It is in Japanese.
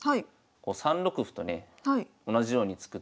３六歩とね同じように突くと